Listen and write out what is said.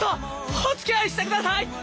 おつきあいして下さい！